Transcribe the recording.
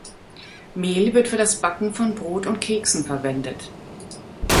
Mehl wird für das Backen von Brot und Keksen verwendet.